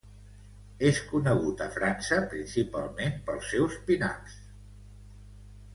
És conegut a França principalment pels seus pin-ups.